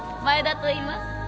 前田といいます。